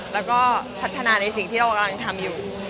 แล้วก็พัฒนาในสิ่งที่เรากำลังทำอยู่